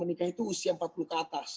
menikah itu usia empat puluh ke atas